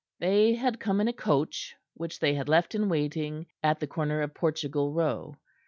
They had come in a coach, which they had left in waiting at the corner of Portugal Row.